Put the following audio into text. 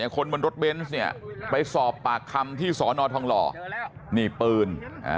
คนบนรถเบนส์เนี่ยไปสอบปากคำที่สอนอทองหล่อนี่ปืน